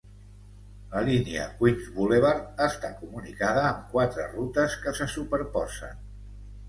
La línia Queens Boulevard està comunicada amb quatre rutes que se superposen.